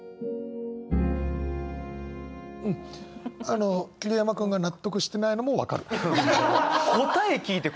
あの桐山君が納得してないのも分かる。